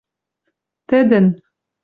тӹдӹн